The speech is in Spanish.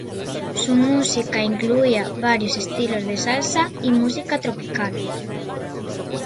Su música incluía varios estilos de Salsa y Música Tropical.